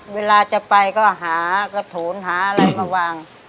เวลาจะไปก็หากระถูนหาอะไรมาวาง